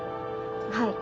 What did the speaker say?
はい。